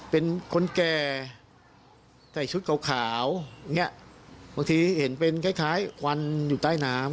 เป็นคนแก่ใส่ชุดขาวอย่างนี้บางทีเห็นเป็นคล้ายคล้ายควันอยู่ใต้น้ำ